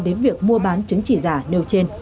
đến việc mua bán chứng chỉ giả nêu trên